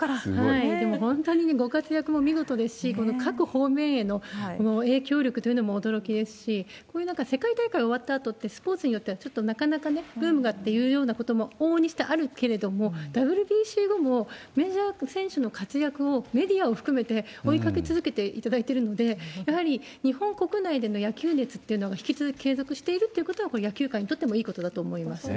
でも、本当にご活躍も見事ですし、この各方面への影響力というのも驚きですし、こういう、なんか世界大会終わったあとって、スポーツによっては、ちょっとなかなかね、ブームがっていうようなことも往々にしてあるけれども、ＷＢＣ後もメジャー選手の活躍をメディアを含めて追いかけ続けていただいているので、やはり日本国内での野球熱っていうのが引き続き継続しているということは、これ、野球界にとってもいいことだと思いますよね。